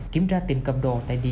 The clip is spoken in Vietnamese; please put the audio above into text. kiểm tra các băng nhóm cho vây nặng lãi